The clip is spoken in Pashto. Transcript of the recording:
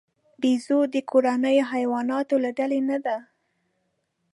بیزو د کورنیو حیواناتو له ډلې نه دی.